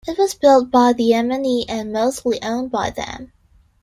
It was built by the M and E and mostly owned by them.